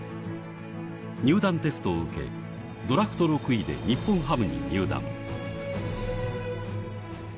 入団テストを受けドラフト６位で日本ハムに入団